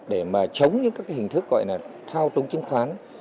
để mà chống những hình thức gọi là thao trung chứng khoán